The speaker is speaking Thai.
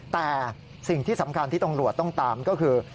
แต่สิ่งที่สำคัญที่ตำรวจต้องตามก็คือ